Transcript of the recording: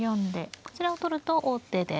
こちらを取ると王手で。